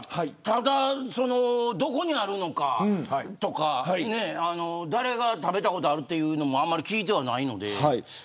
ただ、どこにあるのかとか誰が食べたことがあるというのはあんまり聞いていない。